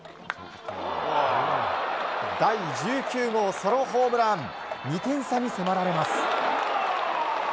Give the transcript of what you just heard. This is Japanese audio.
第１９号ソロホームラン２点差に迫られます。